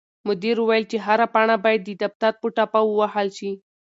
مدیر وویل چې هره پاڼه باید د دفتر په ټاپه ووهل شي.